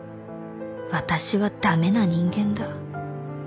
「私は駄目な人間だ」